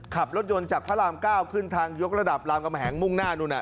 ขับรถยนต์จากพระรามเก้าขึ้นทางยกระดับรามกำแหงมุ่งหน้านู่นน่ะ